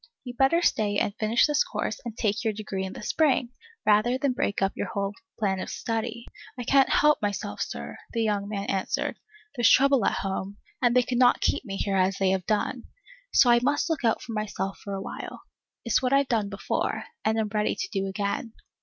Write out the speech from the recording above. You'd better stay and finish this course and take your degree in the spring, rather than break up your whole plan of study. I can't help myself, Sir, the young man answered. There 's trouble at home, and they cannot keep me here as they have done. So I must look out for myself for a while. It's what I've done before, and am ready to do again.